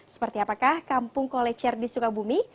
seperti apakah kampung kolecer di sukabumi